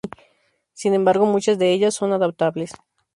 Sin embargo, muchas de ellas son adaptables.